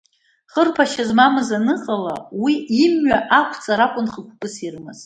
Хырԥашьа змамыз аныҟала, уи имҩа ақәҵара акәын хықәкыс ирымаз.